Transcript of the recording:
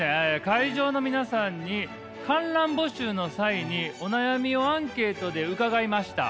会場の皆さんに観覧募集の際にお悩みをアンケートで伺いました。